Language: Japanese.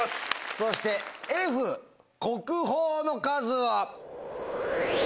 そしてＦ「国宝の数」は？